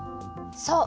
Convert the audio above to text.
そう。